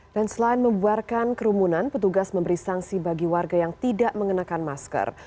dan selain membuarkan kerumunan petugas memberi sanksi bagi warga yang tidak mengenakan masker